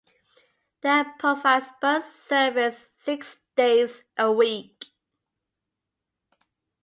Dan provides bus service six days a week.